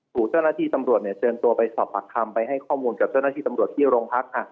ถูกเจ้าหน้าที่ตำรวจเชิญตัวไปสอบปากคำไปให้ข้อมูลกับเจ้าหน้าที่ตำรวจที่โรงพัก